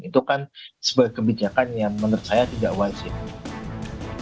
itu kan sebuah kebijakan yang menurut saya tidak wajib